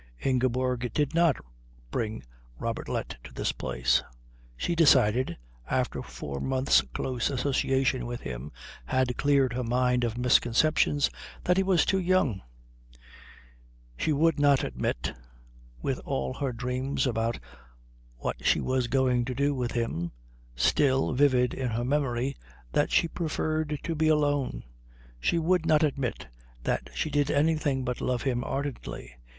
Ingeborg did not bring Robertlet to this place. She decided, after four months' close association with him had cleared her mind of misconceptions, that he was too young. She would not admit, with all her dreams about what she was going to do with him still vivid in her memory, that she preferred to be alone. She would not admit that she did anything but love him ardently.